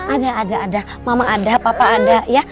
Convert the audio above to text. ada ada ada mama ada bapak ada ya